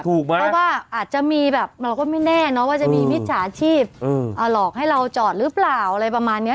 เพราะว่าอาจจะมีแบบเราก็ไม่แน่เนาะว่าจะมีมิจฉาชีพหลอกให้เราจอดหรือเปล่าอะไรประมาณเนี้ย